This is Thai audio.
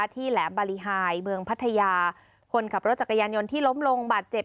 แหลมบารีไฮเมืองพัทยาคนขับรถจักรยานยนต์ที่ล้มลงบาดเจ็บ